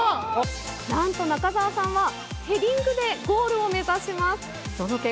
なんと中澤さんは、ヘディングでゴールを目指します。